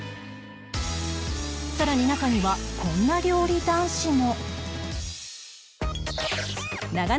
さらに中にはこんな料理男子も